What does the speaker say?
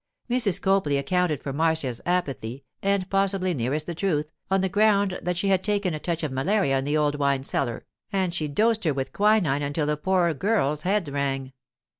Mrs. Copley accounted for Marcia's apathy (and possibly nearest the truth) on the ground that she had taken a touch of malaria in the old wine cellar, and she dosed her with quinine until the poor girl's head rang.